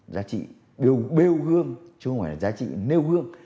giá trị bêu hương chứ không phải là giá trị nêu hương